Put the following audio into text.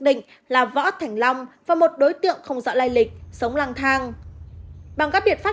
định là võ thành long và một đối tượng không rõ lai lịch sống lang thang bằng các biện pháp